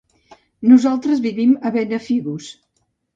Nosaltres vivim a Benafigos.